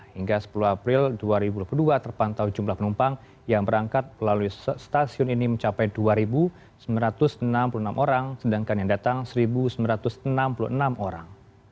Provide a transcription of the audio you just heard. hingga sepuluh april dua ribu dua puluh dua terpantau jumlah penumpang yang berangkat melalui stasiun ini mencapai dua sembilan ratus enam puluh enam orang sedangkan yang datang satu sembilan ratus enam puluh enam orang